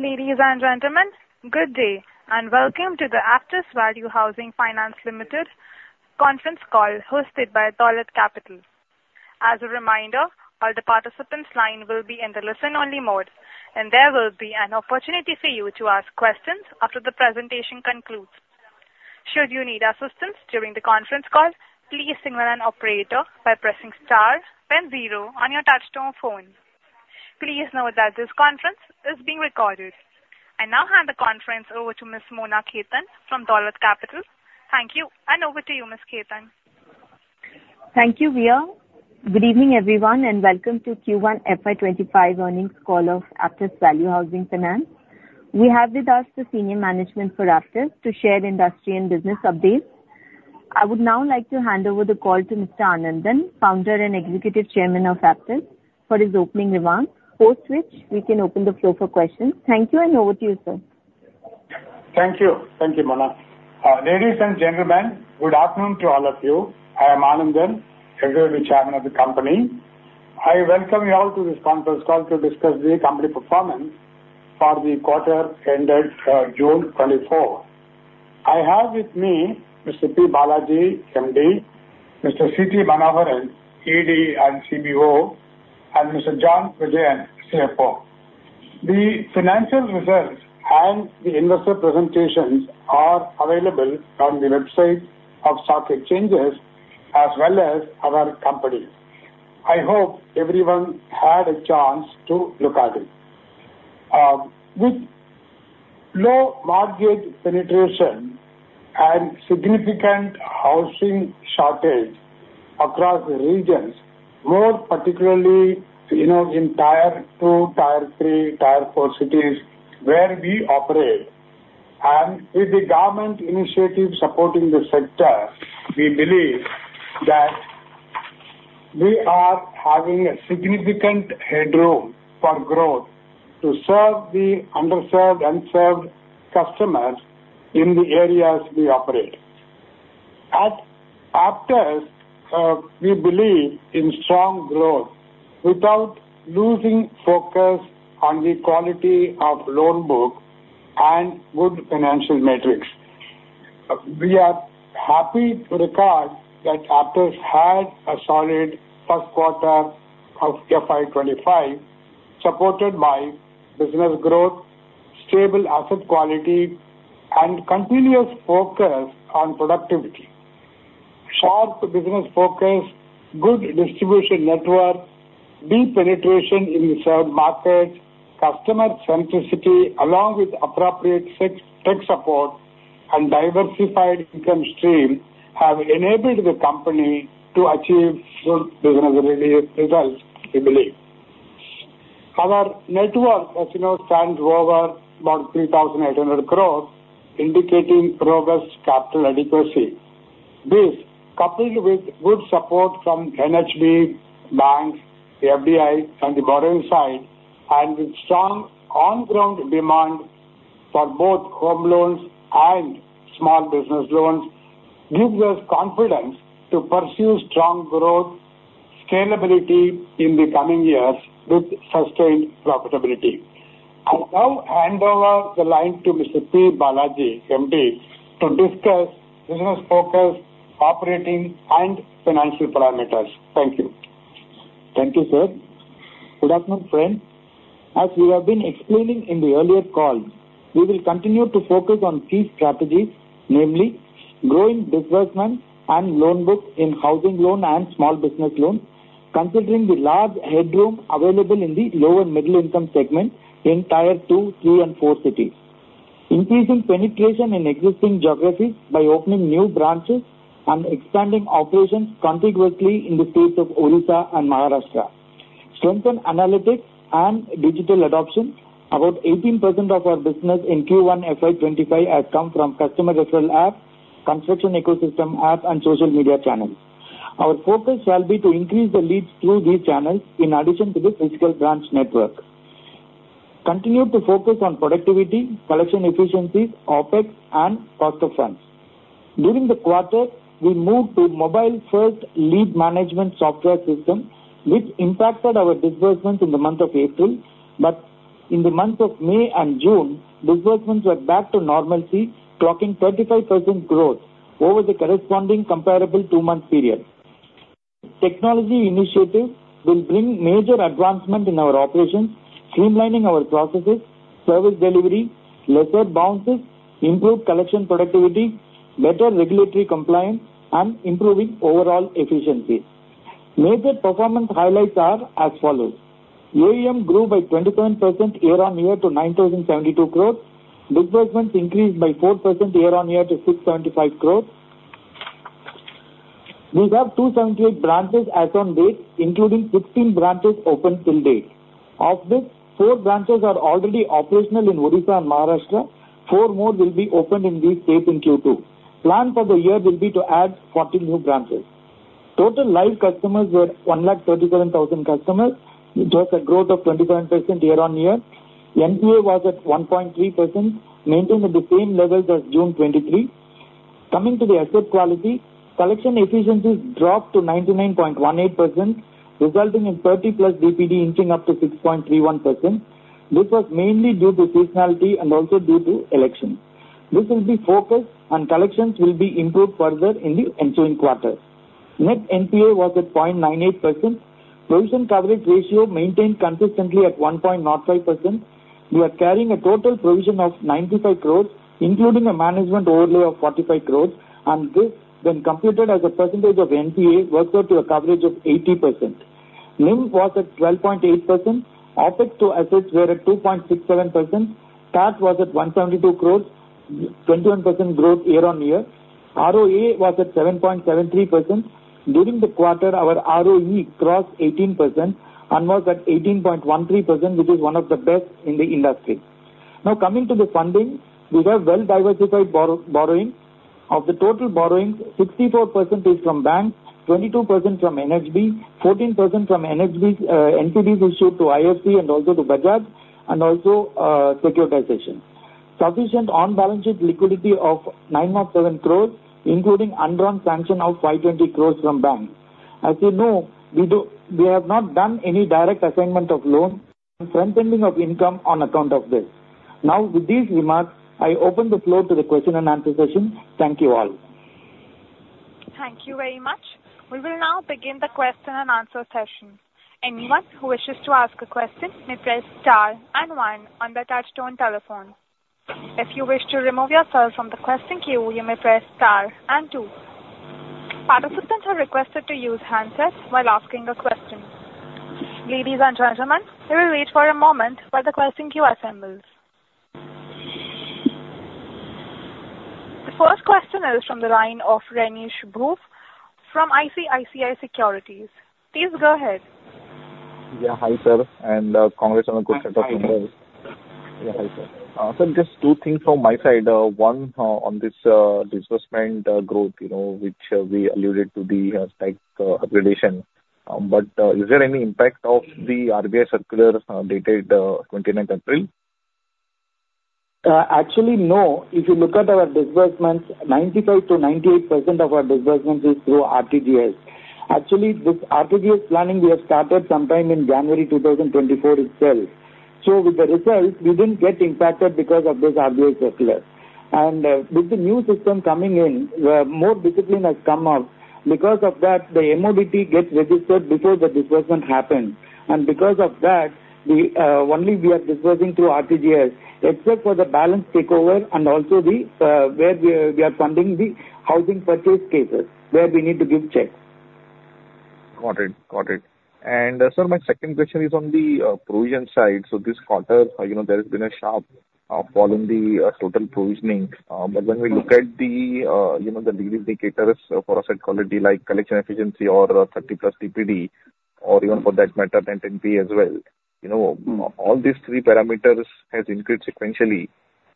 Ladies and Gentlemen, good day and welcome to the Aptus Value Housing Finance Limited conference call hosted by Dolat Capital. As a reminder, all the participants line will be in the listen-only mode and there will be an opportunity for you to ask questions after the presentation concludes. Should you need assistance during the conference call, please signal an operator by pressing star then zero on your touch-tone phone. Please note that this conference is being recorded. I now hand the conference over to Ms. Mona Khetan from Dolat Capital. Thank you and over to you Ms. Khetan. Thank you. Good evening everyone and welcome to Q1FY25 earnings call of Aptus Value Housing Finance. We have with us the senior management for Aptus to share industry and business updates. I would now like to hand over the call to Mr. Anandan, Founder and Executive Chairman of Aptus for his opening remarks, post which we can open the floor for questions. Thank you. Over to you, sir. Thank you. Thank you. Ma'am, ladies and gentlemen, good afternoon to all of you. I am Anandan, Executive Chairman of the company. I welcome you all to this conference call to discuss the company performance for the quarter ended June 2024. I have with me Mr. P. Balaji, MD, Mr. C.T. Manoharan, ED and CBO, and Mr. John Vijayan, CFO. The financial results and the investor presentations are available on the website of stock exchanges as well as our company. I hope everyone had a chance to look at it. With low mortgage penetration and significant housing shortage across regions, more particularly in Tier 2, Tier 3, Tier 4 cities where we operate and with the government initiatives supporting the sector, we believe that we are having a significant headroom for growth to serve the underserved and unserved customers in the areas we operate. At Aptus, we believe in strong growth without losing focus on the quality of loan book and good financial metrics. We are happy to record that Aptus had a solid first quarter FY25 supported by business growth, stable asset quality and continuous focus on productivity. Sharp business focus, good distribution network, deep penetration in the served markets, customer centricity along with appropriate tech support and diversified income stream have enabled the company to achieve good business results. We believe our net worth as you know stands over about 3,800 crore indicating robust capital adequacy. This coupled with good support from NHB banks, FDIs on the borrowing side and strong on-ground demand for both home loans and small business loans gives us confidence to pursue strong growth scalability in the coming years with sustained profitability. I now hand over the line to Mr. P. Balaji, MD, to discuss business focus, operating and financial parameters. Thank you. Thank you, sir. Good afternoon, friends. As we have been explaining in the earlier calls, we will continue to focus on key strategies, namely growing disbursement and loan book in housing loan and small business loans. Considering the large headroom available in the low- and middle-income segment in Tier 2, Tier 3, and Tier 4 cities. Increasing penetration in existing geographies by opening new branches and expanding operations contiguously in the states of Odisha and Maharashtra. Strengthen analytics and digital adoption. About 18% of our business in Q1FY25 has come from customer referral, app, construction ecosystem, app and social media channels. Our focus shall be to increase the leads through these channels. In addition to the physical branch network, continue to focus on productivity, collection efficiencies, OpEx and cost of funds. During the quarter we moved to mobile first lead management software system which impacted our disbursements in the month of April. But in the month of May and June disbursements were back to normalcy clocking 35% growth over the corresponding comparable two month period. Technology initiative will bring major advancement in our operations streamlining our processes. Service delivery lesser bounces, improved collection productivity, better regulatory compliance and improving overall efficiency. Major performance highlights are as follows. AUM grew by 27% year-on-year to 9,072 crore. Disbursements increased by 4% year-on-year to 675 crores. We have 278 branches as on date including 15 branches open till date. Of this, four branches are already operational in Odisha and Maharashtra. Four more will be opened in these states in Q2. Plan for the year will be to add 40 new branches. Total live customers were 137,000 customers. It was a growth of 27% year-on-year. NPA was at 1.3% maintained at the same levels as June 2023. Coming to the asset quality, collection efficiencies dropped to 99.18% resulting in 30+ DPD inching up to 60. This was mainly due to seasonality and also due to elections. This will be focused and collections will be improved further in the ensuing quarter. Net NPA was at 0.98%. Provision coverage ratio maintained consistently at 1.05%. We are carrying a total provision of 95 crores including a management overlay of 45 crores. This when computed as a percentage of NPA works out to a coverage average of 80%. NIM was at 12.8%. OpEx to assets were at 2.67%. PAT was at 172 crores 21% growth year-on-year ROE was at 7.73%. During the quarter our ROE crossed 18% and was at 18.13% which is one of the best in the industry. Now coming to the funding we have well diversified borrowing. Of the total borrowings, 64% is from bank, 22% from NHB, 14% from NCDs issued to IFC and also to Bajaj. Also securitization sufficient on balance sheet liquidity of 907 crore including undrawn sanction of 520 crore from bank. As you know we have not done any direct assignment of loan front ending of income on account of this. Now with these remarks I open the floor to the question and answer session. Thank you all. Thank you very much. We will now begin the question and answer session. Anyone who wishes to ask a question may press star and one on the Touch-Tone telephone. If you wish to remove yourself from the question queue, you may press star and two. Participants are requested to use handsets while asking a question. Ladies and gentlemen, we will wait for a moment while the question queue assembles. The first question is from the line of Renish Bhuva from ICICI Securities. Please go ahead. Yeah, hi sir. Congrats on a good set of numbers. Just two things from my side. One on this disbursement growth, you know which we alluded to the spike upgradation but is there any impact of the RBI circular dated 29th April? Actually no. If you look at our disbursements, 95%-98% of our disbursements is through RTGS. Actually this RTGS planning we have started sometime in January 2024 itself. So with the results we didn't get impacted because of this RBI circular. And with the new system coming in more discipline has come up. Because of that the MODT gets registered before the disbursement happened. And because of that the only we are dispersing through RTGS except for the balance takeover and also the where we are funding the housing purchase cases where we need to give checks. Got it, got it. And sir, my second question is on the provision side. So this quarter, you know there has been a sharp fall in the total provisioning. But when we look at the, you know the indicators for asset quality like collection efficiency or 30+ DPD or even for that matter 10 DPD as well, you know all these three parameters has increased sequentially.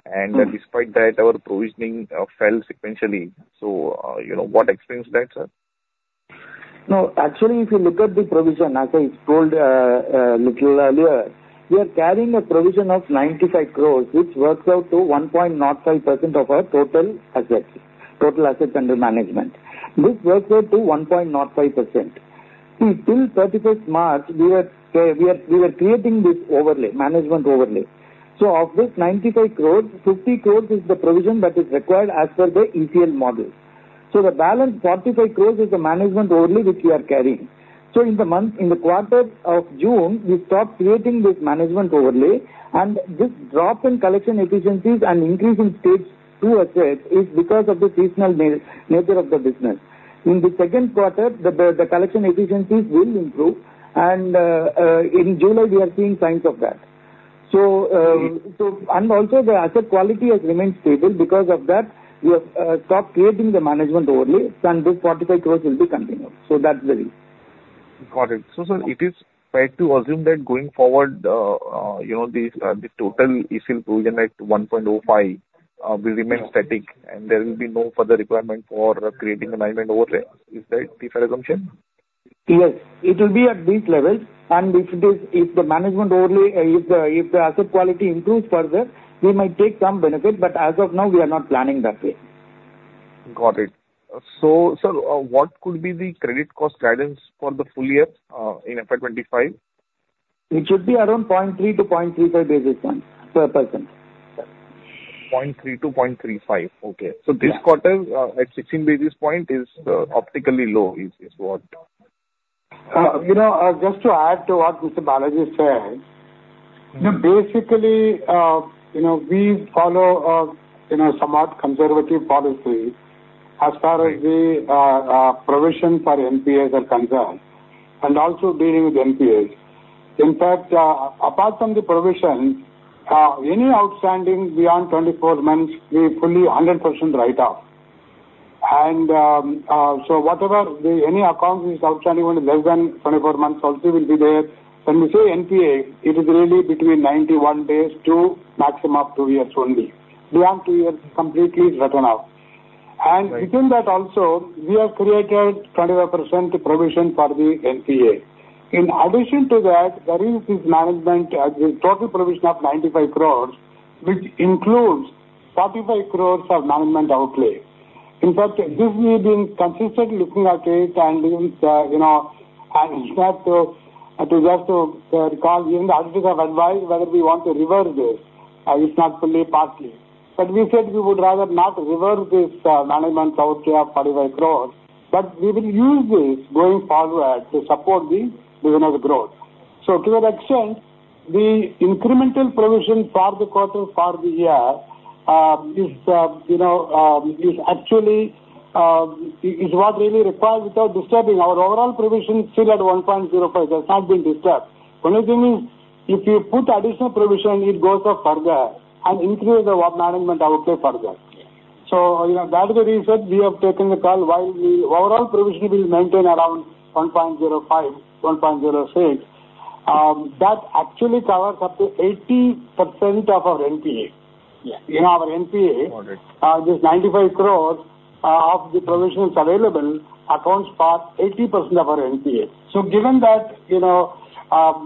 And despite that our provisioning fell sequentially. So you know what extends that, sir? No, actually if you look at the provision as I told a little earlier we are carrying a provision of 95 crore which works out to 1.05% of our total assets. Total assets under management. This works out to 1.05% till 31 March. We are. We were creating this overlay, management overlay. So of this 95 crore, 50 crore is the provision that is required as per the ECL model. So the balance 45 crore is the management overlay which we are carrying. So in the month in the quarter of June we stopped creating this management overlay. And this drop in collection efficiencies and increase in stage 2 assets is because of the seasonal nature of the business. In the second quarter the collection efficiencies will improve. And in July we are seeing signs of that. So and also the asset quality has remained stable. Because of that we have stopped creating the management overlay. And this 45 crore will be continued. So that's the reason. Got it. So sir, it is fair to assume that going forward, you know, these are the total issue. Provision at 1.05 will remain static and there will be no further requirement for creating the management overlay. Is that the fair assumption? Yes, it will be at these levels. And if it is, only if the asset quality improves further we might take some benefit. But as of now we are not planning that way. Got it. So sir, what could be the credit cost guidance for the full year in FY2025? It should be around 0.3%-0.35% basis points per person. 0.3 2.35. Okay. So this quarter at 16 basis points is optically low, is what. You know, just to add to what Mr. Balaji said, basically, you know, we follow, you know, somewhat conservative policy as far as the provision for NPAs are concerned and also dealing with NPAs. In fact, apart from the provision, any outstanding beyond 24 months we fully 100% write off. And so whatever the any account is outstanding only less than 24 months also will be there. When we say NPA, it is really between 91 days to maximum of two years. Only beyond two years completely written out. Within that also we have created 25% provision for the NPA. In addition to that there is this management total provision of 95 crore which includes 45 crore of management outlay. In fact this. We've been consistently looking at it and you know, too. Just to recall, even the actuaries have advised whether we want to reverse this. It's not fully partly, but we said we would rather not reverse this management overlay of INR 45 crore. But we will use this going forward. To support the business growth. So to that extent, the incremental provision for the quarter for the year is, you know, actually what is really required without disturbing our overall provision still at 1.05, which has not been disturbed. Only thing is if you put additional provision, it goes 0.05 further and increase the management outlook further. So you know that is the reason we have taken the call. While the overall provision will maintain around 1.05-1.06. That actually covers up to 80% of our NPA. In our NPA, this 95 crore of the provisions available accounts for 80% of our NPA. So given that, you know,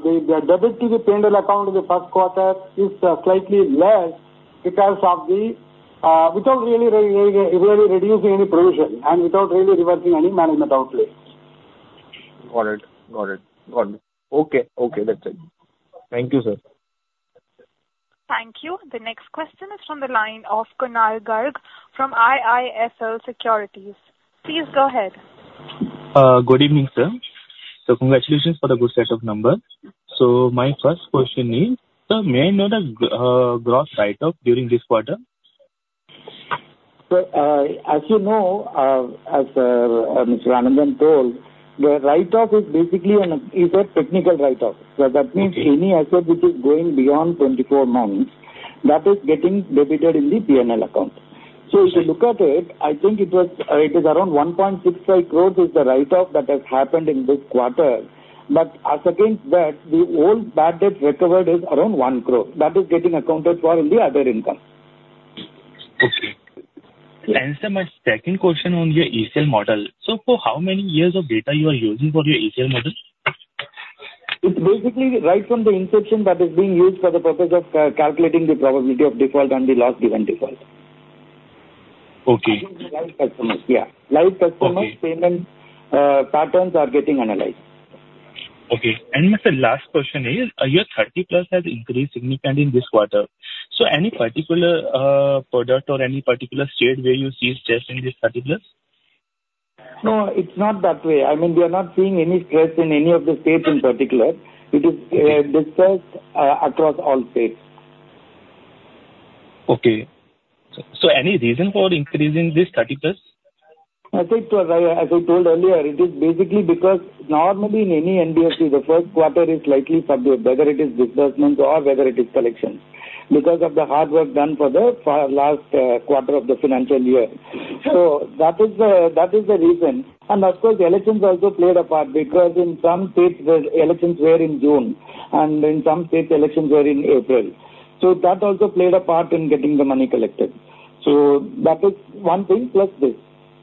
the debit to the P&L account in the first quarter is slightly less because of the without really, really reducing any provision and without really reversing any management overlay. Got it. Got it. Got it. Okay. Okay. That's it. Thank you sir. Thank you. The next question is from the line of Kunal Garg from IIFL Securities. Please go ahead. Good evening sir. Congratulations for the good set of numbers. My first question is, may I know the gross write-off during this quarter. As you know, as Mr. Anandan told, the write-off is basically is a technical write-off. So that means any asset which is going beyond 24 months that is getting debited in the P&L account. So if you look at it, I think it was it is around 1.65 crore is the write-off that has happened in this quarter. But as against that, the old bad debt recovered is around 1 crore that is getting accounted for in the other income. Okay, answer my second question on your ECL model. So for how many years of data? You are using for your ECL model it's basically right from the inception that is being used for the purpose of calculating the probability of default and the loss given default. Okay. Yeah. Live customers payment patterns are getting analyzed. Okay. And Mr. Last question is your 30+ Has increased significantly in this quarter. So any particular product or any particular. State where you see stress in this 30+? No, it's not that way. I mean we are not seeing any stress in any of the states in particular. It is discussed across all states. Okay. So any reason for increasing this 30+? As I told earlier, it is basically because normally in any NBFC the first quarter is slightly subdued whether it is disbursements or whether it is collections. Because of the hard work done for the last quarter of the financial year. So that is the, that is the reason. And of course the elections also played a part because in some states the elections were in June and in some states elections were in April. So that also played a part in getting the money collected. So that is one thing plus this.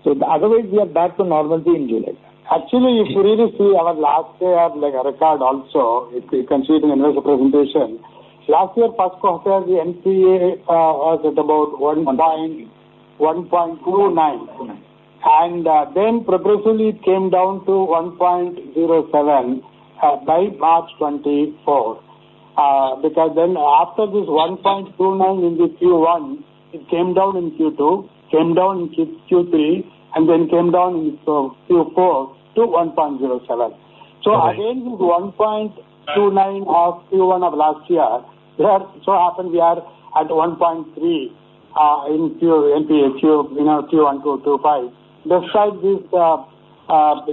So otherwise we are back to normalcy in July. Actually, if you really see our last year like a record, also if you can see it in the presentation, last. Year, first quarter the AUM was at. About 1.1 and then progressively it came down to 1.07 by March 2024. Because then after this 1.29 in the Q1, it came down in Q2, came down in Q3 and then came down in Q4 to 1.07. So again with 1.29 of Q1 of last year, so happened we are at 1.3 in GNPA, you know, Q1 2025. Despite this,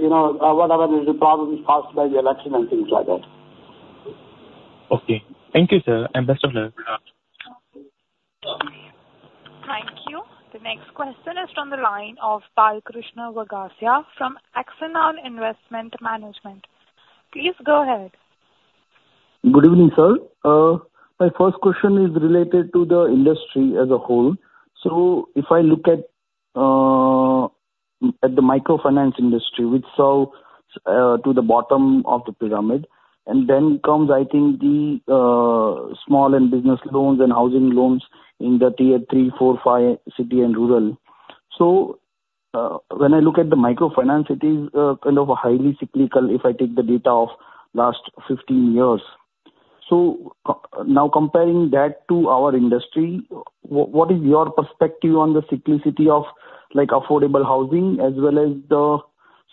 you know, whatever is the problem is caused by the election and things like that. Okay, thank you sir and best of luck. Thank you. The next question is from the line of Balkrushna Vaghasia from Axanoun Investment Management. Please go ahead. Good evening sir. My first question is related to the. Industry as a whole. So if I look at. The microfinance industry which sell to the bottom of the pyramid and then comes I think the small business loans and housing loans in the Tier 3, 4, 5 cities and rural. So when I look at the micro. Finance, it is kind of a highly. Cyclical, if I take the data of last 15 years. Now comparing that to our industry, what is your perspective on the cyclicity. Of like affordable housing as well as. The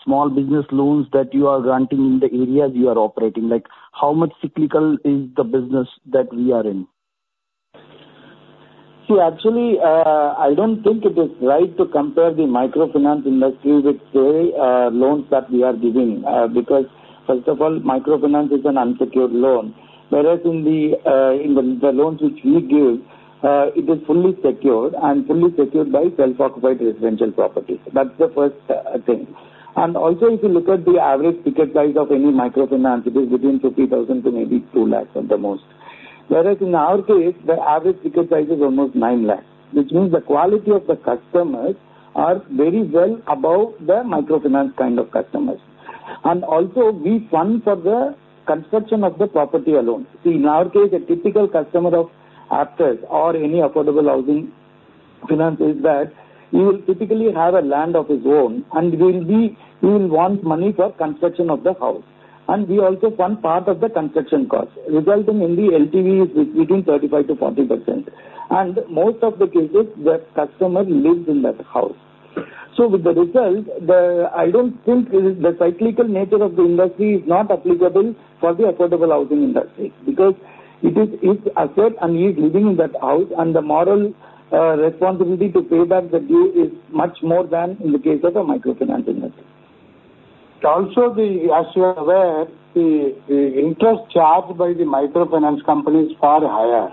small business loans that you are. Granting in the areas you are operating? Like how much cyclical is the business that we are in? See, actually I don't think it is right to compare the microfinance industry with say loans that we are giving. Because first of all, microfinance is an unsecured loan. Whereas in the loans which we give it is fully secured and fully secured by self occupied residential properties. That's the first thing. And also if you look at the average ticket price of any micro finance, it is between 50,000 to maybe 200,000 at the most. Whereas in our case the average ticket price is almost 900,000, which means the quality of the customers are very well above the microfinance kind of customers. And also we fund for the construction of the property alone. In our case, a typical customer of Aptus or any affordable housing finance is that you will typically have a land of his own and will be you will want money for construction of the house. And we also fund part of the construction cost resulting in the LTVs which between 35%-40%. And most of the cases the customer lives in that house. So with the result, I don't think the cyclical nature of the industry is not applicable for the affordable housing industry because it is his asset and he is living in that house. And the moral responsibility to pay back the due is much more than in the case of a microfinance industry. Also, as you're aware, the interest charged by the microfinance companies far higher.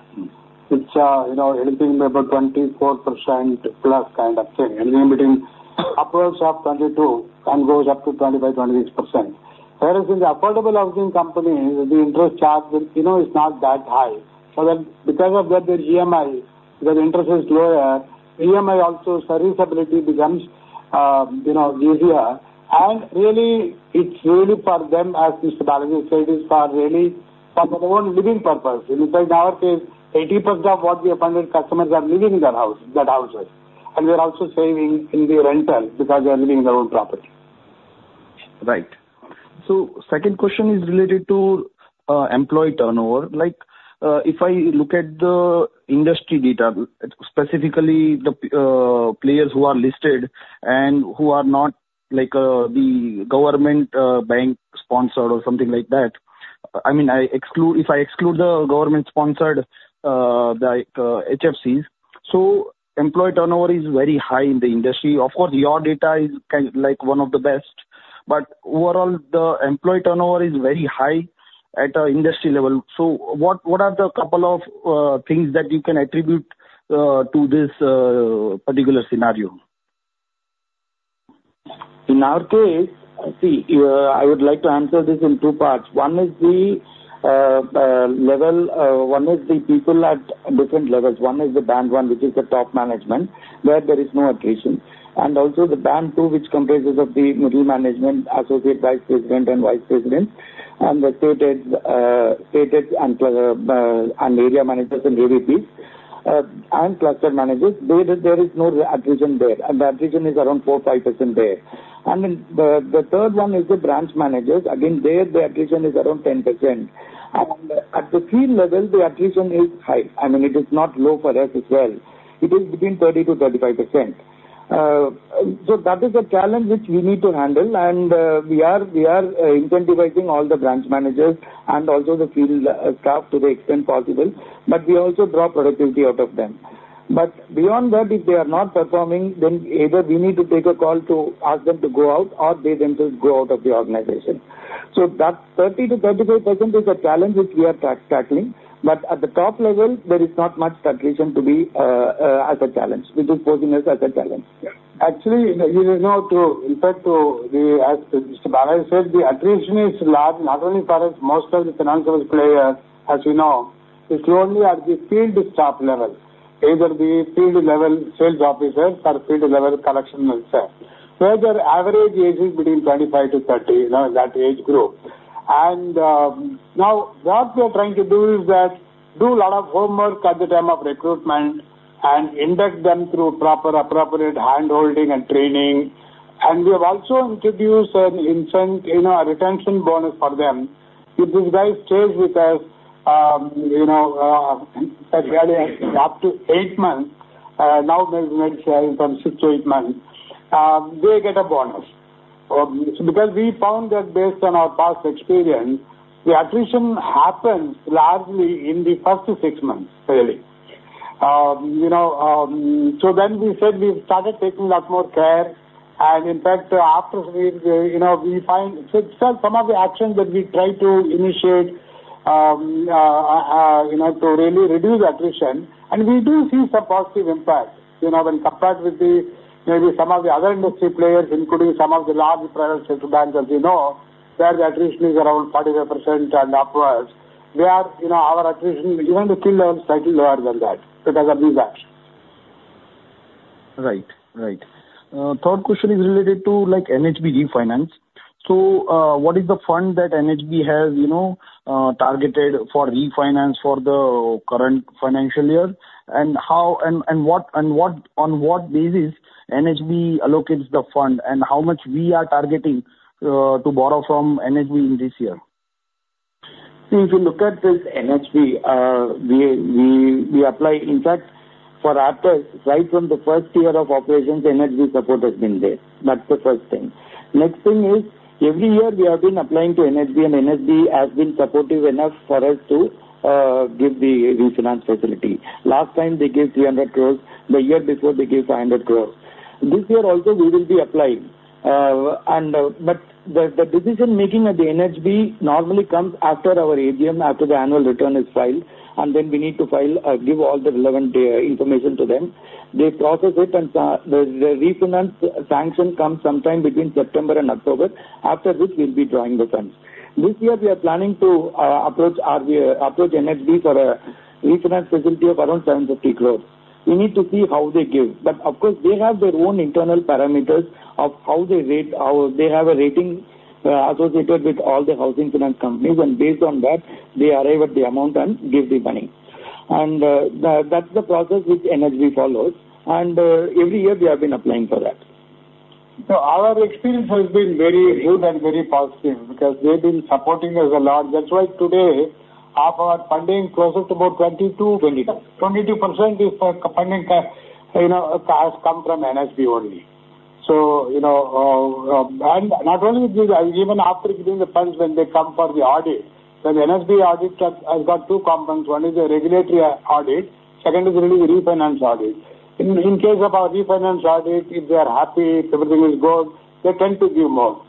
It's, you know, anything about 24%+ kind of thing. Anything between 22 and 28 or so. Up to 25%-26%. Whereas in the affordable housing company the interest charge, you know, is not that high. So that because of that the EMI because interest is lower, EMI also serviceability becomes, you know, this year. And really it's really for them, as Mr. Balaji said, it is for really living purpose. In our case, 80% of what we have funded customers are living in that house. And we are also saving in the rental because they are living their own property. Right. Second question is related to employee turnover. Like if I look at the industry data, specifically the players who are listed and who are not, like the government bank sponsored or something like that. I mean I exclude, if I exclude the government sponsored like HFCs. Employee turnover is very high in the industry. Of course your data is like one of the best. But overall the employee turnover is very high at the industry level. So what. What are the couple of things that you can attribute to this particular scenario? In our case. See, I would like to answer this in two parts. One is the level, one is the people at different levels. One is the band one which is the top management where there is no attrition. And also the band 2 which comprises of the middle management, associate vice president and vice president and the state and area managers and regional and cluster managers. There is no attrition there. And the attrition is around 4-5% there. And the third one is the branch managers again there the attrition is around 10%. At the field level the attrition is high. I mean it is not low for us as well it is between 30%-35%. So that is a challenge which we need to handle. And we are incentivizing all the branch managers, managers and also the field staff to the extent possible. But we also draw productivity out of them. But beyond that, if they are not performing then either we need to take a call to ask them to go out or they themselves go out of the organization. So that 30%-35% is a challenge which we are tackling. But at the top level there is not much attrition to be as a challenge which is posing as a challenge. Actually you know, too, in fact Mr. Balaji said the attrition is large not only for us, most of the financial players as you know, it's only at the field staff level, either the field level sales officers or field level collection itself where their average age is between 25-30, you know, in that age group. Now what we are trying to do is that, do a lot of homework at the time of recruitment and induct them through proper appropriate handholding and training. We have also introduced an incentive, you know, a retention bonus for them if this guy stays with us, you. Know. Up to eight months. Now maybe from six to eight months they get a bonus because we found that based on our past experience the attrition happens largely in the first six months really. You know, so then we said we've started taking a lot more care and in fact after you know we find some of the actions that we try. To initiate. You know, to really reduce attrition and we do see some positive impact you know, when compared with the. Maybe some of the other industry players. Including some of the larger private sector banks as you know, where the attrition is around 45% and upwards. We are, you know, our attrition even lower, slightly lower than that. It doesn't do that. Right, right. Third question is related to like NHB refinance. So what is the fund that NHB has you know, targeted for refinance for the current financial year and how and what on what basis NHB allocates the fund and how much we are targeting to borrow from NHB in this year? See if you look at this NHB, we apply in fact for refinance right from the first year of operations. NHB support has been there. That's the first thing. Next thing is every year we have been applying to NHB and NHB has been supportive enough for us to give the refinance facility. Last time they gave 300 crore. The year before they give finance. This year also we will be applying. But the decision making at the NHB normally comes after our AGM, after the annual return is filed and then we need to file, give all the relevant information to them. They process it and the refinance sanction comes sometime between September and October after which we'll be drawing the funds. This year we are planning to approach NHB, approach NHB for a facility of around 750 crore. We need to see how they give. Of course they have their own internal parameters of how they rate, how they have a rating associated with all the housing finance companies. Based on that they arrive at the amount and give the money. That's the process which NHB follows. Every year we have been applying for that. So our experience has been very good and very positive because they've been supporting us a lot. That's why today our funding closer to about 22%-22%. If funding, you know, has come from NHB only. So you know, and not only even after giving the funds when they come for the audit. The NHB audit has got two components. One is a regulatory audit. Second is really refinance audit. In case of our refinance audit, if they are happy, everything is good, they tend to give more.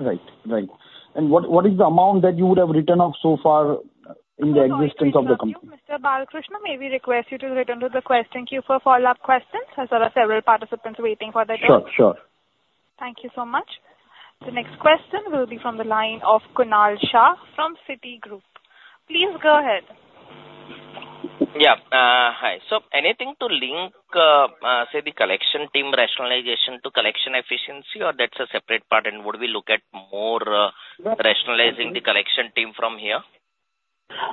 Right? Right. What is the amount that? You would have written off so far in the existence of the company? Mr. Balakrishna, may we request you to return to the question queue for follow-up questions as there are several participants waiting for that. Sure, sure. Thank you so much. The next question will be from the line of Kunal Shah from Citigroup. Please go ahead. Yeah. Hi. So anything to link say the collection team rationalization to collection efficiency or that's a separate part? Would we look at more rationalizing the collection team from here?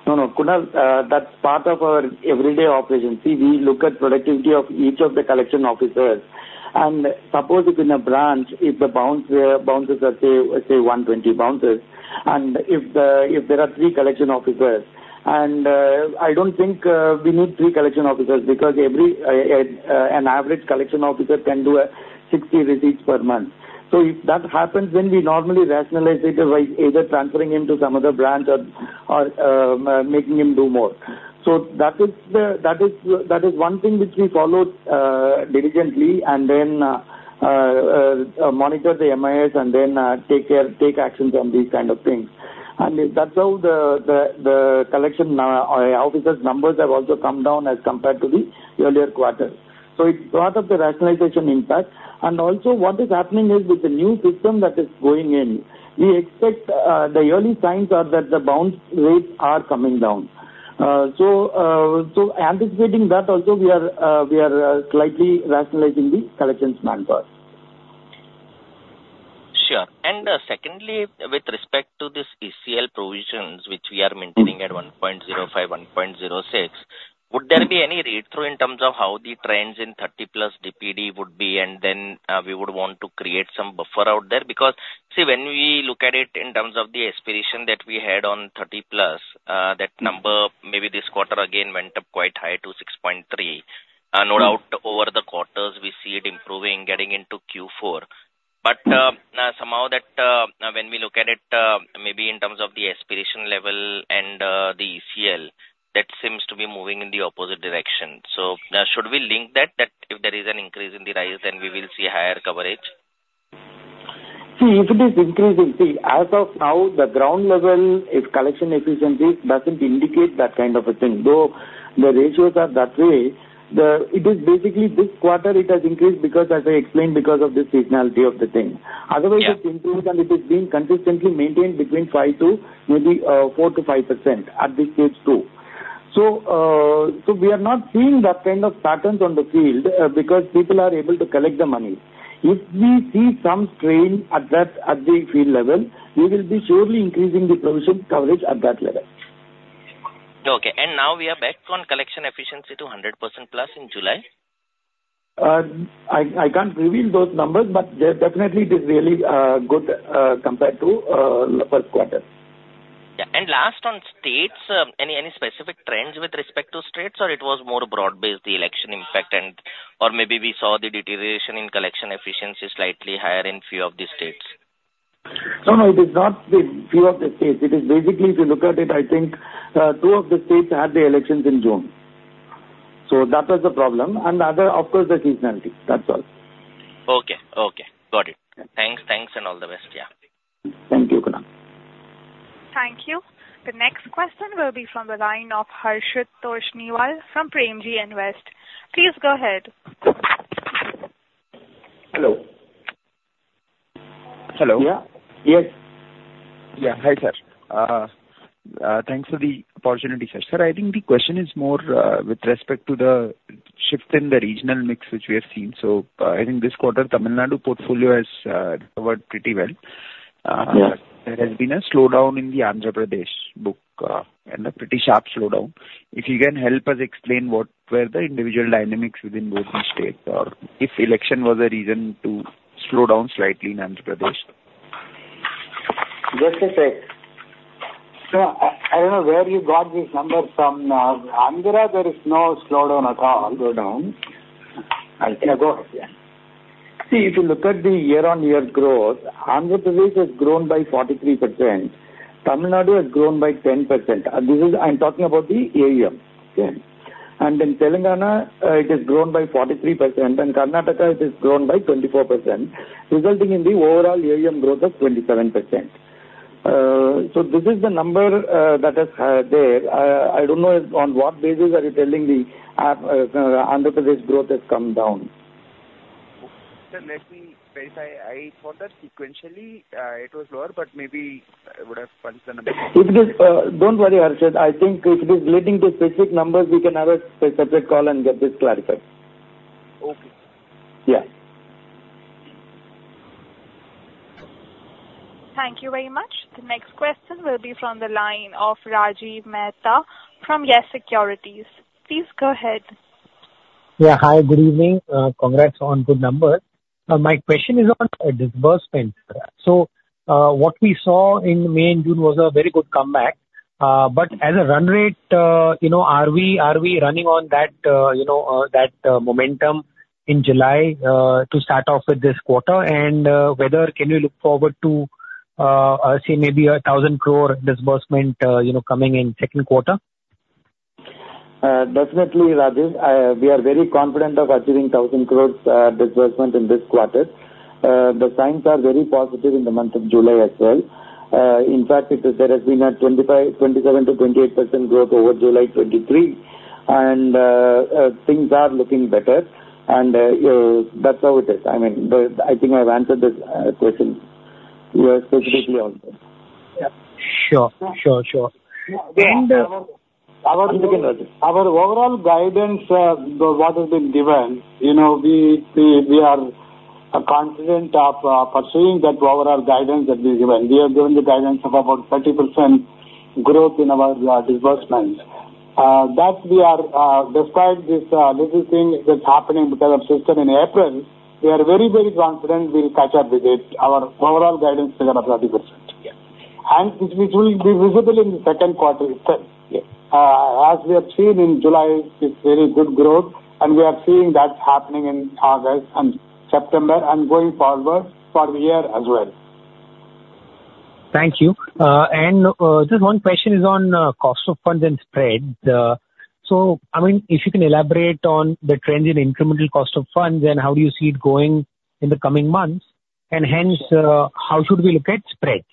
No, no Kunal, that's part of our everyday operation. See, we look at productivity of each of the collection officers, and suppose it's in a branch if the bounces are say 120 bounces and if there are three collection officers and I don't think we need three collection officers because every average collection officer can do 60 receipts per month. So if that happens then we normally rationalize it either transferring him to some other branch or making him do more. So that is. That is one thing which we followed diligently and then monitor the mis and then take actions on these kind of things. And that's how the collection officers numbers have also come down as compared to the earlier quarter. So it brought up the rationalization impact. And also, what is happening is with the new system that is going in, we expect the early signs are that the bounce rates are coming down. So, anticipating that also. So we are, we are slightly rationalizing the collections manpower. Sure. And secondly, with respect to this ECL provisions which we are maintaining at 1.05, 1.06, would there be any read through in terms of how the trends in 30+ DPD would be? And then we would want to create some buffer out there because, see, when we look at it in terms of the aspiration that we had on 30+ that number, maybe this quarter again went up quite high to 6.3. No doubt over the quarters we see it improving, getting into Q4. But somehow, when we look at it maybe in terms of the aspiration level and the ECL that seems to be moving in the opposite direction. So should we link that if there is an increase in the rise then we will see higher coverage. See if it is increasing. See, as of now, the ground level is collection efficiency but doesn't indicate that kind of a thing though the ratios are that way. The, it is basically this quarter it has increased because, as I explained, because of the seasonality of the thing. Otherwise, it is being consistently maintained between 5% to maybe 4%-5% at this stage too. So. So we are not seeing that kind of patterns on the field because people are able to collect the money. If we see some strain addressed at the field level, we will be surely increasing the provision coverage at that level. Okay. Now we are back on collection efficiency to 100%+ in July. I can't reveal those numbers but definitely it is really good compared to. Last on states. Any specific trends with respect to states or it was more broad-based the election impact and. Or maybe we saw the deterioration in collection efficiency slightly higher in few of the states. No, no, it is not the view of the states. It is basically, if you look at it, I think two of the states had the elections in June. So that was the problem. And other, of course, the seasonality. That's all. Okay. Okay, got it. Thanks. Thanks. All the best. Yeah. Thank you. Thank you. The next question will be from the line of Harshit Toshniwal from Premji Invest. Please go ahead. Hello. Hello. Yeah. Yes. Yeah. Hi sir. Thanks for the opportunity, sir. Sir, I think the question is more with respect to the shift in the regional mix which we have seen. So I think this quarter Tamil Nadu portfolio has worked pretty well. There has been a slowdown in the Andhra Pradesh book and a pretty sharp slowdown. If you can help us explain what were the individual dynamics within both the state or if election was a reason to slow down slightly in Andhra Pradesh? Just a sec. I don't know where you got this number from? Andhra, there is no slowdown at all. Go down. Go ahead. See if you look at the year-on-year growth, Andhra Pradesh has grown by 43%. Tamil Nadu has grown by 10%. This is, I'm talking about the AUM and in Telangana it is grown by 43% and Karnataka it is grown by 24% resulting in the overall AUM growth of 27%. So this is the number that has there. I don't know on what basis are you telling the Andhra Pradesh growth has come down. Let me. I found that sequentially it was lower, but maybe I would have punched the. Number if it is. Don't worry, Arad. I think if it is relating to specific numbers, we can have a specific call and get this clarified. Okay. Yeah. Thank you very much. The next question will be from the line of Rajiv Mehta from Yes Securities. Please go ahead. Yeah. Hi, good evening. Congrats on good numbers. My question is on disbursement. So what we saw in May and June was a very good comeback. But as a run rate, you know, are we, are we running on that, you know that momentum in July to start off this quarter and whether. Can you look forward to say maybe 1,000 crore disbursement, you know, coming in second quarter? Definitely, Rajesh, we are very confident of achieving 1,000 crore disbursement in this quarter. The signs are very positive in the month of July as well. In fact there has been a 27%-28% growth over July 2023. Things are looking better. That's how it is. I mean, I think I've answered this question. Sure, sure, sure. Our overall guidance, what has been given? You know, we are confident of pursuing that overall guidance that we given. We have given the guidance of about. 30% growth in our disbursements. That we are despite this little thing that's happening because of system in April, we are very, very confident we'll catch up with it. Our overall guidance of 30% and which will be visible in the second quarter itself. Yes, as we have seen in July, it's very good growth and we are seeing that happening in August and September and going forward for the year as well. Thank you. And just one question is on cost of funds and spread. So I mean if you can elaborate on the trends in incremental cost of funds and how do you see it going in the coming months and hence how should we look at spreads?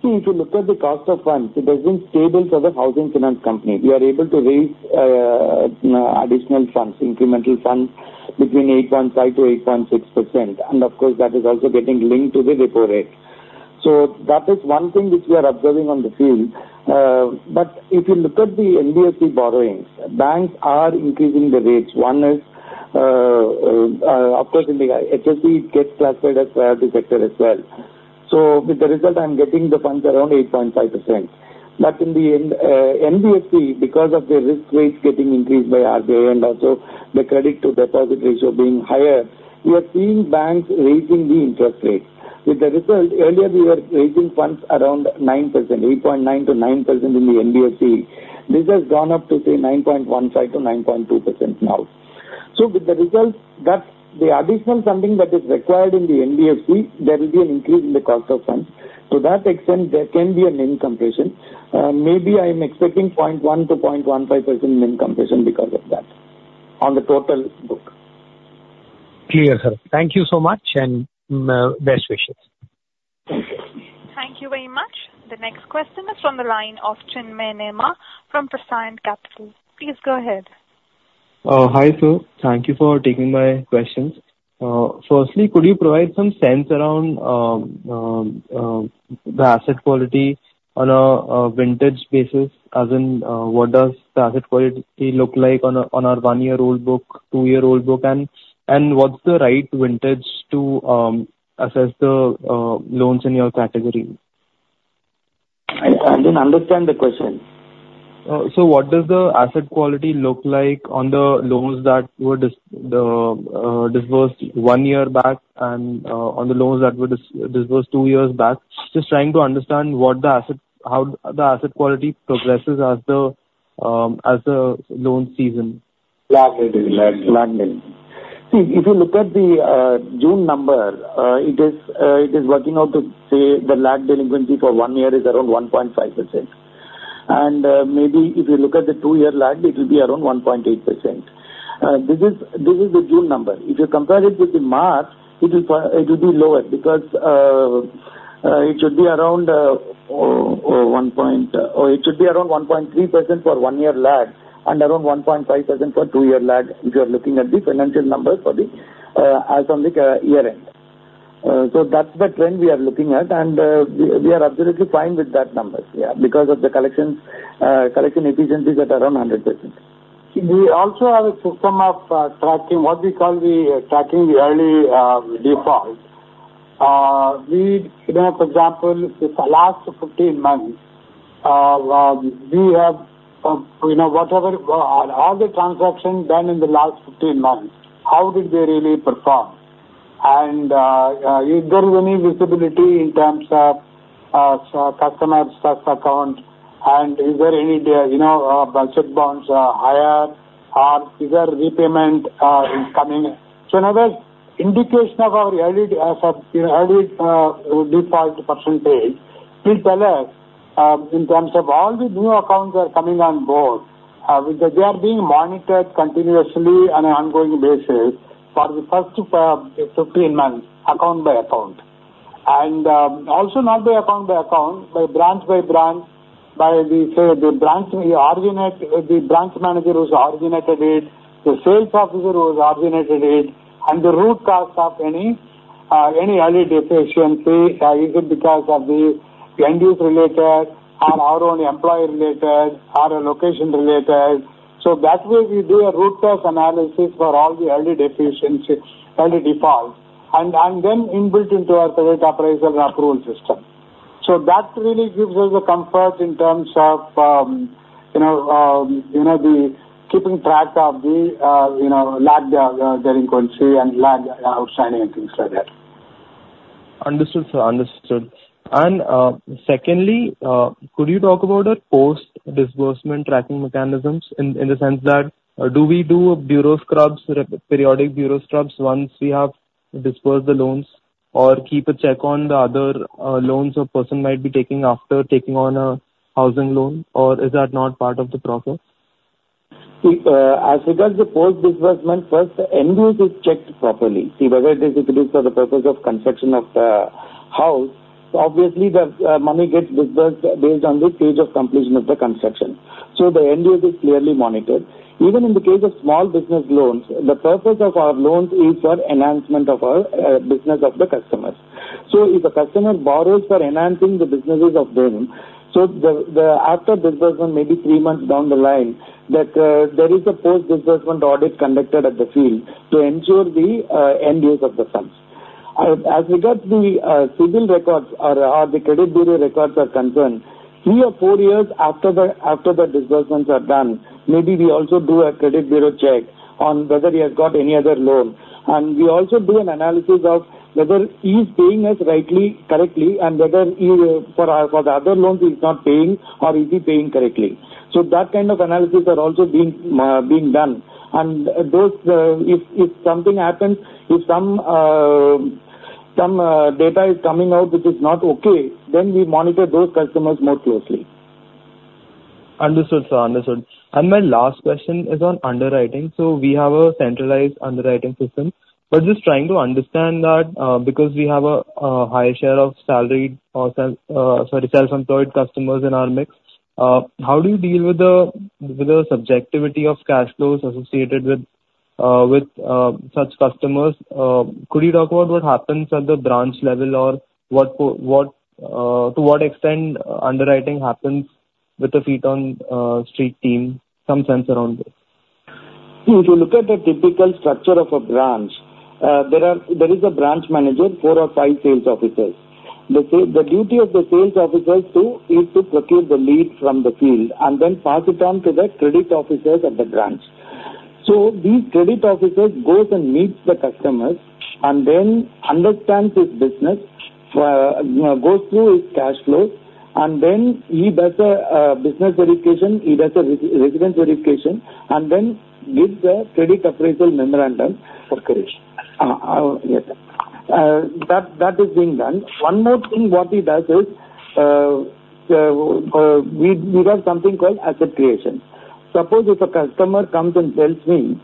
See, if you look at the cost of funds, it has been stable for the housing finance company. We are able to raise additional funds, incremental funds between 8.5%-8.6%, and of course that is also getting linked to the repo rate. So that is one thing which we are observing on the field. But if you look at the NBFC borrowings, banks are increasing the rates. One is. Of course in the HFC gets classified as priority sector as well. So with the result I'm getting the funds around 8.5% but in the end because of the risk weights getting increased by RBI and also the credit to deposit ratio being higher, we are seeing banks raising the interest rate. With the result earlier we were raising funds around 8.9%-9% in the NBFC this has gone up to say 9%-9.2% now. So with the result that the additional funding that is required in the NBFC there will be an increase in the cost of funds to that extent there can be a NIM compression maybe I am expecting 0.1%-0.15% NIM compression because of that on the total book clear. Sir, thank you so much and best wishes. Thank you. Thank you very much. The next question is from the line of Chinmay Nema from Prescient Capital. Please go ahead. Hi, sir, thank you for taking my questions. Firstly, could you provide some sense around the asset quality on a vintage basis? As in, what does the asset quality? Looks like on our one-year-old. 2-year-old book and what's the right vintage to assess the loans in your category? I didn't understand the question. So what does the asset quality look like on the loans that were disbursed one year back and on the loans that were disbursed two years back? Just trying to understand how the asset quality progresses as the loan seasons. See if you look at the June number, it is working out to say the lag delinquency for one year is around 1.5% and maybe if you look at the two-year lag it will be around 1.8%. This is the June number. If you compare it with the March, it will be lower because it should be around 1% or it should be around 1.3% for one-year lag and around 1.5% for two-year lag. If you are looking at the financial numbers for FY as on the year-end. So that's the trend we are looking at and we are absolutely fine with those numbers. Yeah, because of the collection efficiencies at around 100%. We also have a system of tracking what we call the tracking the early default. We, you know, for example last 15 months we have, you know, whatever all the transactions done in the last 15 months, how did they really perform and if there is any visibility in terms of customers tax account and is there any, you know, budget bonds are higher or is there repayment is coming. So in other words, indication of our default percentage will tell us in terms of all the new accounts are coming on board. They are being monitored continuously on an ongoing basis for the first 15 months account by account. And also not by account by account, by branch by branch, by the say the branch originate, the branch manager who's originated it, the sales officer who has originated it. The root cause of any early delinquency is it because of the end use related or our own employee related or location related. So that way we do a root cause analysis for all the early delinquency, early defaults and then inbuilt into our credit appraisal approval system. So that really gives us a comfort in terms of, you know, you know, these keeping track of the, you know, lag delinquency and lag outstanding and things like that. Understood, sir, understood. And secondly, could you talk about a post disbursement tracking mechanisms in the sense that? Do we do a bureau scrubs, periodic bureau scrubs once we have disbursed the loans or keep a check on the other loans a person might be taking after taking on a housing loan? Or is that not part of the. Process. As regards the post disbursement. First, end use is checked properly, see whether it is for the purpose of construction of the house. Obviously the money gets disbursed based on the stage of completion of the construction. So the end use is clearly monitored. Even in the case of small business loans. The purpose of our loans is for enhancement of our business of the customers. So if a customer borrows for enhancing the businesses of them. So after disbursement, maybe three months down the line that there is a post disbursement audit conducted at the field to ensure the end use of the funds. As regards the CIBIL records or the credit bureau records are concerned, three or four years after the disbursements are done, maybe we also do a credit bureau check on whether he has got any other loan. We also do an analysis of whether he is paying us rightly correctly and whether for the other loans he's not paying or is he paying correctly. That kind of analysis are also being done. Those, if something happens, if some data is coming out which is not okay, we monitor those customers more closely. Understood. And my last question is on underwriting. So we have a centralized underwriting system but just trying to understand that because we have a high share of salaried, sorry self employed customers in our mix. How do you deal with the subjectivity of cash flows associated with such customers? Could you talk about what happens at the branch level or what to what extent underwriting happens with the feet on street team. Some sense around this. If you look at the typical structure of a branch, there is a branch manager, four or five sales officers. The duty of the sales officers is to procure the lead from the field and then pass it on to the credit officers of the branch. So these credit officers goes and meets the customers and then understands his business, goes through his cash flow and then he does a business education, he does a resident verification and then gives a credit appraisal memorandum that is being done. One more thing, what he does is we have something called asset creation. Suppose if a customer comes and tells me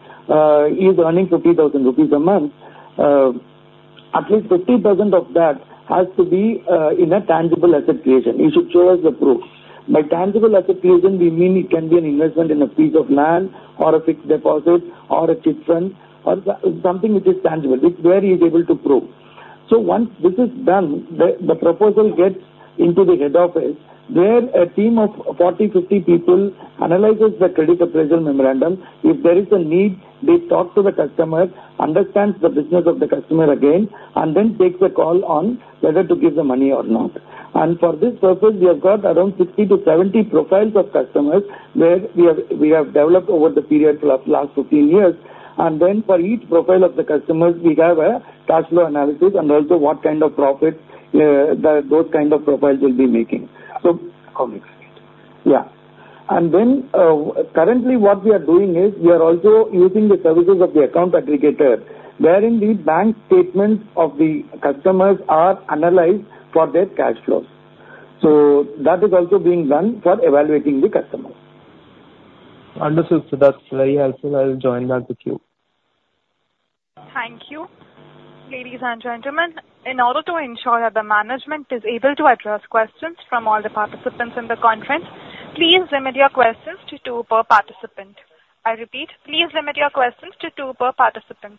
he is earning 50,000 rupees a month, at least 50% of that has to be in a tangible asset creation. He should show us the proof. By tangible asset creation we mean it can be an investment in a piece of land or a fixed deposit or a chit fund or something which is tangible where he is able to prove. So once this is done, the proposal gets into the head office where a team of 40-50 people analyzes the credit appraisal memorandum. If there is a need, they talk to the customer, understands the business of the customer again and then takes a call on whether to give the money or not. And for this purpose we have got around 60-70 profiles of customers where we have developed over the period of last 15 years. And then for each profile of the customers we have a cash flow analysis and. And also what kind of profit those kind of profiles will be making. Yeah. Then currently what we are doing is we are also using the services of the Account Aggregator wherein the bank statements of the customers are analyzed for their cash flows. That is also being done for evaluating the customer. Understood. That's very helpful. I'll join that with you. Thank you. Ladies and gentlemen. In order to ensure that the management is able to address questions from all the participants in the conference, please limit your questions to two per participant. I repeat, please limit your questions to two per participant.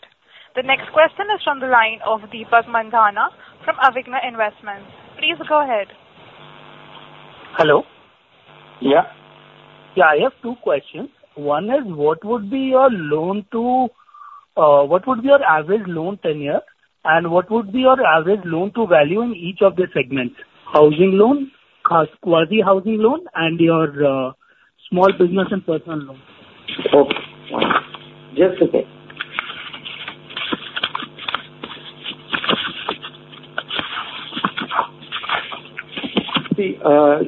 The next question is from the line of Deepak Mandhana from Avigna Investments. Please go ahead. Hello. Yeah. Yeah. I have two questions. One is what would be your loan to what would be your average loan tenure and what would be your average loan to value in each of the segments: housing loan, quasi housing loan, and your small business and personal? Just a bit. See,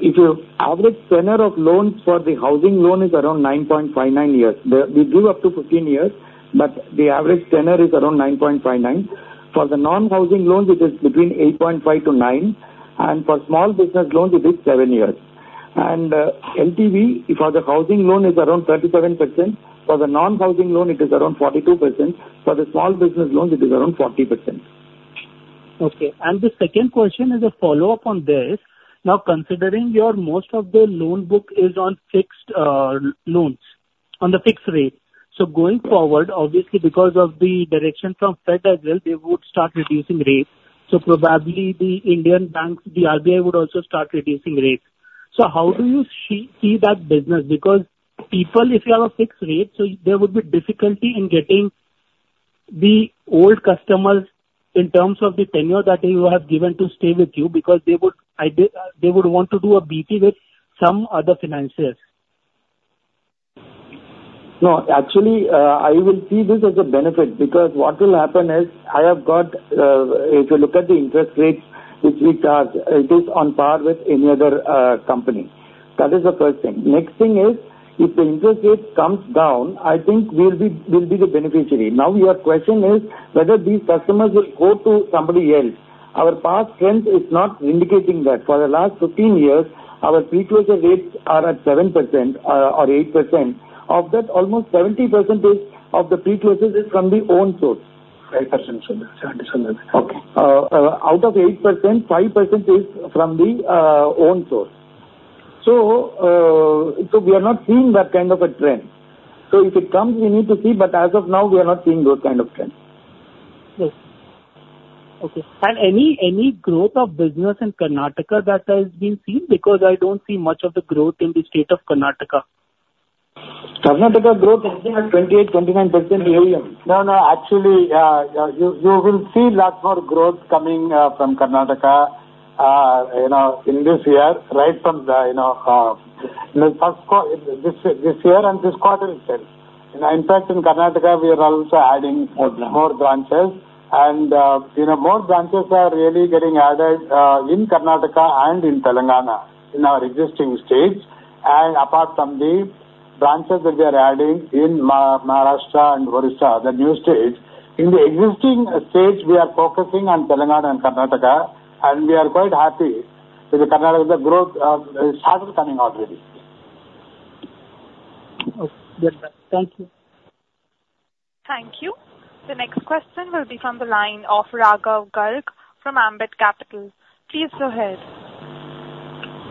if you average tenure of loans for the housing loan is around 9.59 years. We give up to 15 years. But the average tenor is around 9.59. For the non-housing loans it is between 8.5-9 and for small business loans it is seven years. And LTV for the housing loan is around 37%. For the non-housing loan it is around 42%. For the small business loans it is around 40%. Okay. The second question is a follow-up on this. Now considering your most of the loan book is on fixed loans on the fixed rate. So going forward obviously because of the direction from Fed as well they would start reducing rate. So probably the Indian banks, the RBI would also start reducing rates. So how do you see that business? Because people if you have a fixed rate so there would be difficulty in getting the old customers in terms of the tenure that you have given to stay with you because they would, they would want to do a BP with some other financiers. No, actually I will see this as a benefit because what will happen is I have got. If you look at the interest rates which we charge, it is on par with any other company. That is the first thing. Next thing is if the interest rate comes down, I think we'll be, will be the beneficiary. Now your question is whether these customers will go to somebody else. Our past strength is not indicating that for the last 15 years our preclosure rates are at 7% or 8% of that almost 70% of the precursors is from the own source. Out of 8%, 5% is from the own source. So, so we are not seeing that kind of a trend. So if it comes we need to see. But as of now we are not seeing those kind of trends. Okay. Any growth of business in Karnataka that has been seen? Because I don't see much of the growth in the state of Karnataka. 28, 29. No, no. Actually, you will see lot more growth coming from Karnataka. You know in this year, right from. You know, this year and this quarter itself. In fact, in Karnataka we are also adding more branches, and you know more branches are really getting added in Karnataka and in Telangana in our existing states. And apart from the branches that we are adding in Maharashtra and new state. In the existing stage, we are focusing. On Telangana and Karnataka, and we are quite happy with the growth started coming already. Thank you. Thank you. The next question will be from the line of Raghav Garg from Ambit Capital. Please go ahead.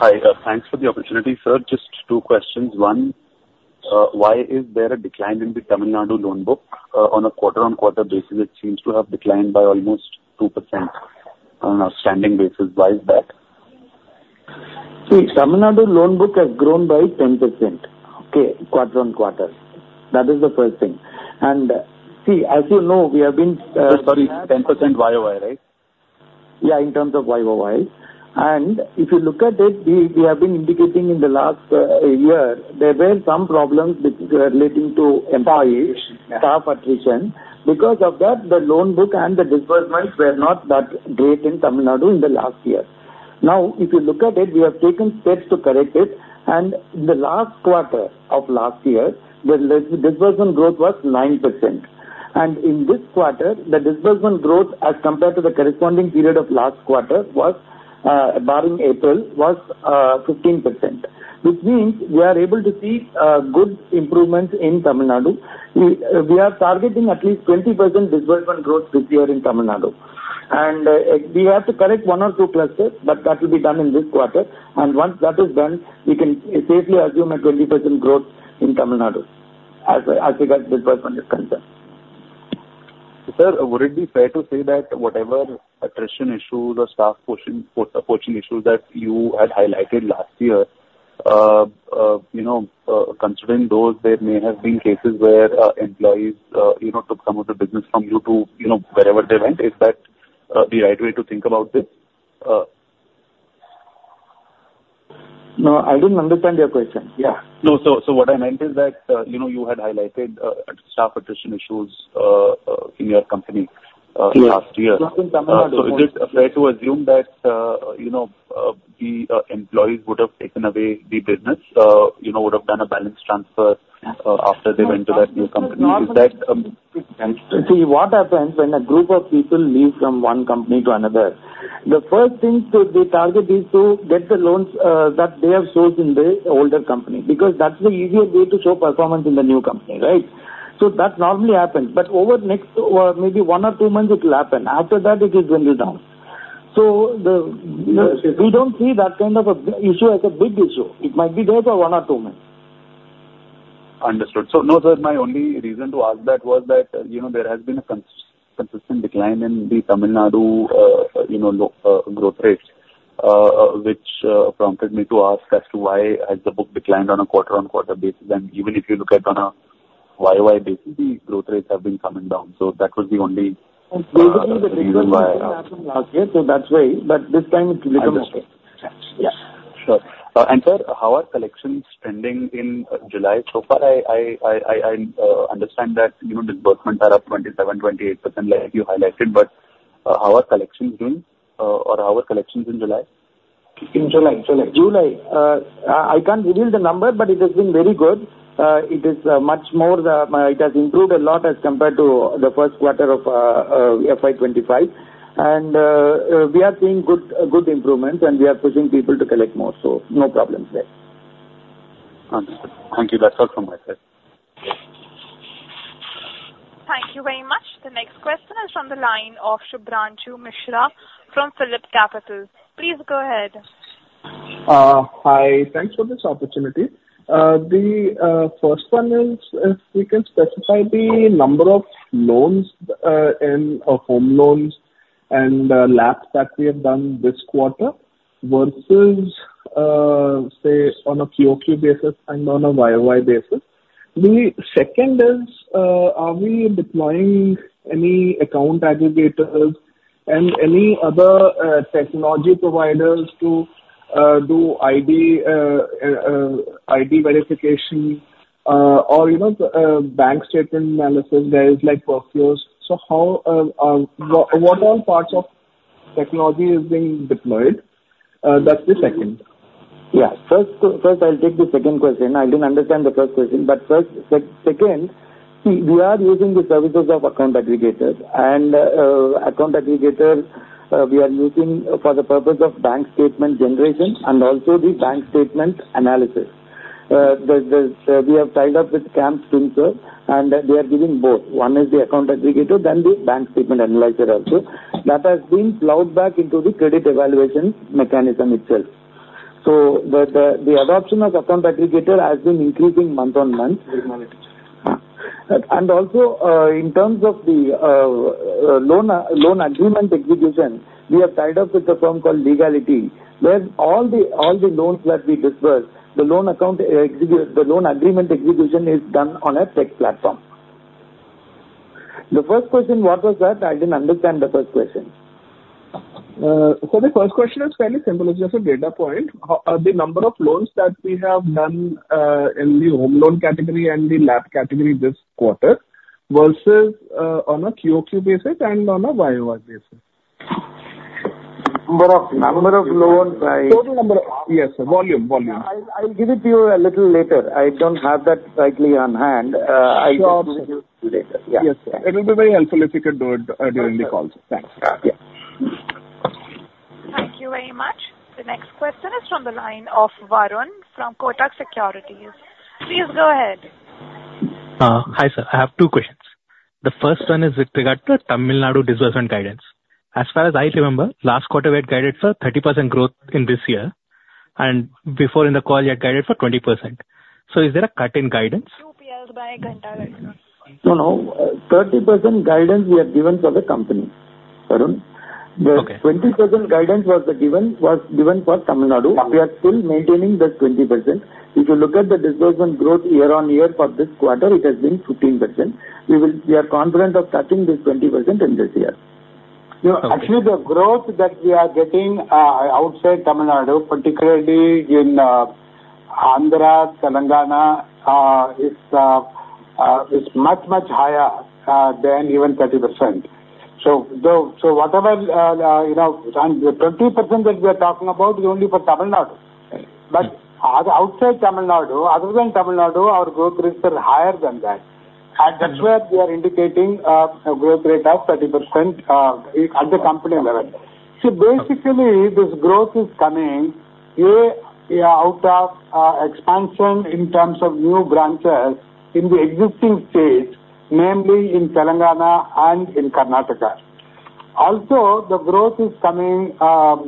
Hi. Thanks for the opportunity. Sir, just two questions. One, why is there a decline in the Tamil Nadu loan book on a quarter-on-quarter basis? It seems to have declined by almost 2% on an outstanding basis. Why is that? Tamil Nadu loan book has grown by 10%. Okay. Quarter-over-quarter. That is the first thing. And see, as you know, we have been. Sorry, 10% YoY, right. Yeah. In terms of YoY. And if you look at it, we have been indicating in the last, last year there were some problems relating to employees, staff attrition. Because of that, the loan book and the disbursements were not that great in Tamil Nadu in the last year. Now if you look at it, we have taken steps to correct it. And the last quarter of last year the disbursement growth was 9%. And in this quarter, the disbursement growth as compared to the corresponding period of last quarter, quarter was, barring April was 15%. Which means we are able to see good improvements in Tamil Nadu. We are targeting at least 20% disbursement growth this year in Tamil Nadu and we have to correct one or two clusters. But that will be done in this quarter. And once that is done, we can safely assume a 20% growth in Tamil Nadu as. Sir, would it be fair to say? That whatever attrition issues or staff poaching issues that you had highlighted last year, you know, considering those there may have been cases where employees, you know, took some of the business from you to, you know, wherever they went. Is that the right way to think about this? No, I didn't understand your question. Yeah, no, so. What I meant is that, you know, you had highlighted staff attrition issues in your company last year. Is it fair to assume that, you know, the employees would have taken away the business, you know, would have done a balance transfer after they went to that new company? See what happens when a group of people leave from one company to another. The first thing they target is to get the loan that they have sourced in the older company because that's the easiest way to show performance in the new company. Right. So that normally happens, but over the next or maybe one or two months, it will happen. After that it is winded down. We don't see that kind of a issue as a big issue. It might be there for one or two months. Understood. So no, sir, my only reason to ask that was that, you know, there has been a consistent decline in the Tamil Nadu, you know, growth rates which prompted me to ask as to why has the book declined on a quarter-on-quarter basis. And even if you look at on a YY basis, the growth rates have been coming down. So that was the only reason why. So that's why. But this time it becomes. Yes, sure. And sir, how are collections trending in July so far? I understand that disbursements are up 27%-28% like you highlighted. But how are collections doing or how are collections in July? In July. I can't reveal the number but it has been very good. It is much more. It has improved a lot as compared to the first quarter of FY25. We are seeing good, good improvements and we are pushing people to collect more. No problems there. Thank you. That's all from my side. Thank you very much. The next question is from the line of Shubhranshu Mishra from PhillipCapital. Please go ahead. Hi, thanks for this opportunity. The first one is if we can. Specify the number of loans in home loans and LAPs that we have done. This quarter versus, say, on a QoQ. Basis and on a YoY basis. The second is, are we deploying any account aggregators and any other technology providers? To do ID, ID verification or you. No, bank statement analysis? Guys, like, so how what all parts. Of technology is being deployed? That's the second. Yes. First, first, I'll take the second question. I didn't understand the first question, but first, second, we are using the services of account aggregator and account aggregator we are using for the purpose of bank statement generation and also the bank statement analysis we have tied up with CAMS and they are giving both. One is the account aggregator, then the bank statement analyzer also. Now that has been plowed back into the credit evaluation mechanism itself so that the adoption of account aggregator has been increasing month-on-month. And also in terms of the loan loan agreement execution, we have tied up with the firm called Leegality where all the, all the loans that we disburse the loan agreement execute, the loan agreement execution is done on a tech platform. The first question, what was that? I didn't understand the first question. The first question is fairly simple. It's just a data point. The number of loans that we have. Done in the home loan category and. The LAP category this quarter versus on a QoQ basis and on a YoY basis. Yes. Volume. Volume. I'll give it to you a little later. I don't have that right on hand. It will be very helpful if you. Could do it during the call. Thanks. Thank you very much. The next question is from the line of Varun from Kotak Securities. Please go ahead. Hi, sir, I have two questions. The first one is with regard to Tamil Nadu disbursement guidance. As far as I remember, last quarter we had guided for 30% growth in this year. And before in the call you had guided for 20%. So is there a cut in guidance? No, no. 30% guidance we have given for the company. The 20% guidance was given for Tamil Nadu. We are still maintaining the 20%. If you look at the disbursement growth year-on-year for this quarter, it has been 15%. We will, we are confident of cutting this 20% in this year. Actually, the growth that we are getting. Outside Tamil Nadu, particularly in Andhra, Telangana is much, much higher than even 30%. So, so whatever, you know, the 20% that we are talking about is only for Tamil Nadu. But outside Tamil Nadu, other than Tamil Nadu, our growth rates are higher than that. And that's where we are indicating a growth rate of 30% at the company level. So basically this growth is coming out of expansion in terms of new branches in the existing states, namely in Telangana and in Karnataka also the growth is coming,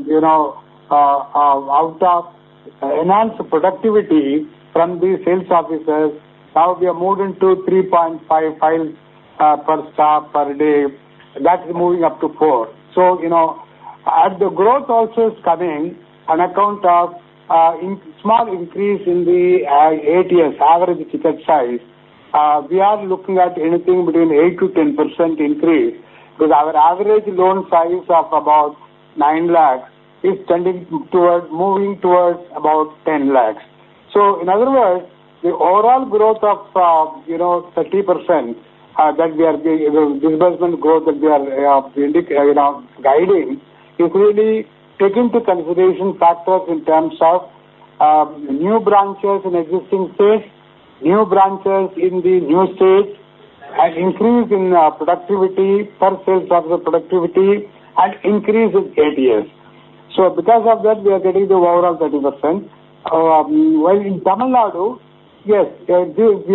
you know, out of enhanced production productivity from the sales officers. Now we are moving to 3.5 files per staff per day. That's moving up to four. So you know, as the growth also is coming on account of small increase in the ATS average ticket size, we are looking at anything between 8%-10% increase. Because our average loan size of about 9 lakhs is tending toward moving towards about 10 lakhs. So in other words, the overall growth of you know, 30% that we are disbursement growth that we are guiding is really take into consideration factors in terms of new branches in existing states, new branches in the new state, increase in productivity for sales officer the productivity and increase ATS. So because of that we are getting the overall 30% while in Tamil Nadu. Yes, we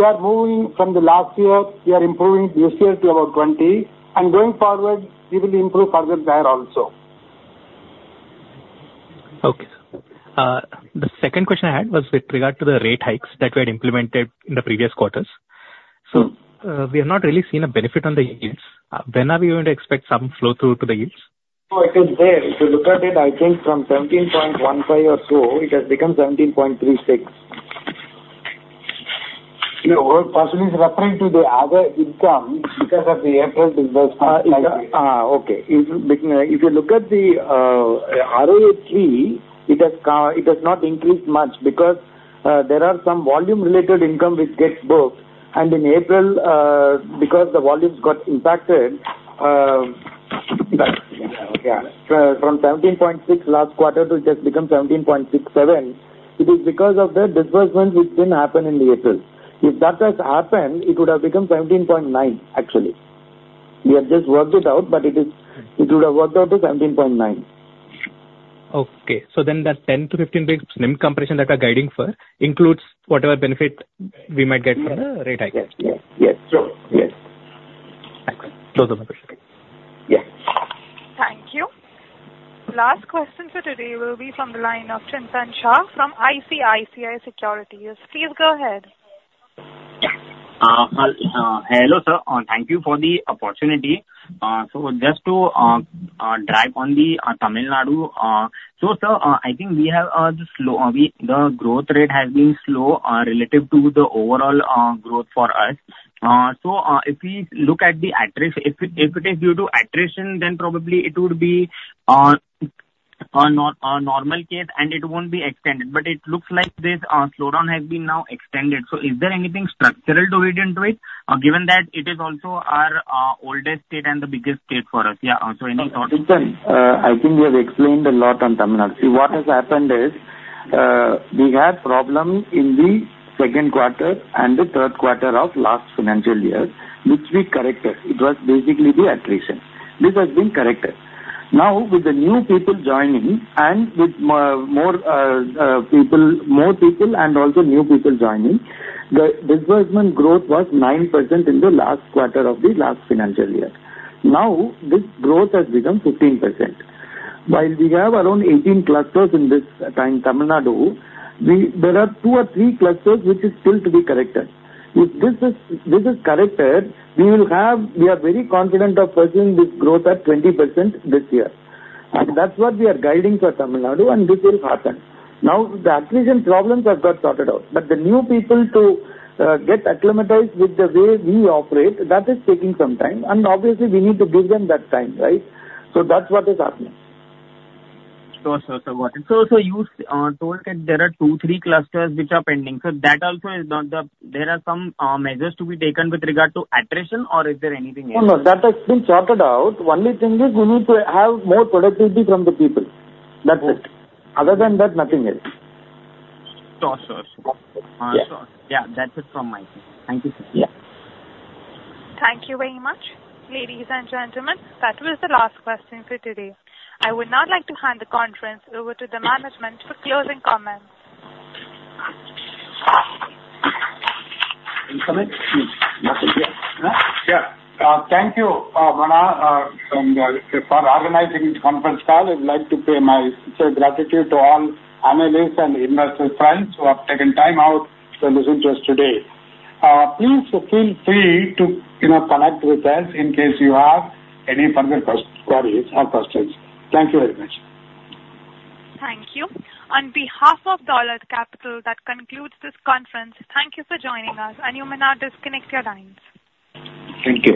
are moving from the last year, we are improving this year to about 20% and going forward we will improve further there also. Okay. The second question I had was with regard to the rate hikes that we had implemented in the previous quarters. We have not really seen a benefit on the yields. When are we going to expect some flow through to the yields? If you look at it, I think from 17.15 or so it has become 17.36% Is referring to the other income. Because of the effort. Okay. If you look at the ROA tree, it has. It has not increased much because there are some volume related income which gets booked and in April because the volumes got impacted from 17.6 last quarter to just become 17.67. It is because of the disbursement which didn't happen in the April. If that has happened, it would have become 17.9. Actually, we have just worked it out, but it is. It would have worked out to 17.9. Okay, so then that 10-15 bps NIM compression that we're guiding for includes whatever benefit we might get from the rate hike. Yes. Yes. Thank you. Last question for today will be from the line of Chintan Shah from ICICI Securities. Please go ahead. Hello sir, thank you for the opportunity. So just to dive into Tamil Nadu so sir, I think we have slow. The growth rate has been slow relative to the overall growth for us. So if we look at the AUM. If it is due to attrition then probably it would be a normal case and it won't be extended. But it looks like this slowdown has been now extended. So is there anything structural to it given that it is also our oldest state and the biggest state for us? Yeah. So any thought I think we have explained a lot on terminology. What has happened is we had problem in the second quarter and the third quarter of last financial year which we corrected. It was basically the attrition. This has been corrected now with the new people joining and with more people. More people and also new people joining. The disbursement growth was 9% in the last quarter of the last financial year. Now this growth has become 15% while we have around 18 clusters in this time Tamil Nadu we. There are two or three clusters which is still to be corrected. If this is. This is corrected we will have. We are very confident of pursuing this growth at 20% this year and that's what we are guiding for Tamil Nadu and this will happen now the acquisition problems have got sorted out but the new people to get acclimatized with the way we operate that is taking some time and obviously we need to give them that time. Right. So that's what is happening. So. So you told that there are two, three clusters which are pending. So that also is not the. There are some measures to be taken with regard to attrition or is there anything? No, no, that has been sorted out. Only thing is we need to have more productivity from the people people. That's it. Other than that. Nothing else. Yeah, that's it from my. Thank you. Thank you very much, ladies and gentlemen. That was the last question for today. I would not like to hand the conference over to the management for closing comments. Thank you. Thank you for organizing this conference call. I would like to pay my sincere gratitude to all analysts and investors, friends who have taken time out to listen to us today. Please feel free to connect with us in case you have any further queries or questions. Thank you very much. Thank you. On behalf of Dolat Capital, that concludes this conference. Thank you for joining us. You may now disconnect your lines. Thank you.